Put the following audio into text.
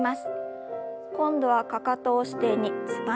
今度はかかとを支点につま先を上げて。